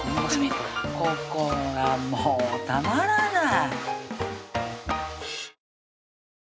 これここがもうたまらない